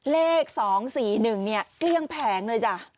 เลข๒๔๑เนี่ยเกลี้ยงแผงเลยจ้ะ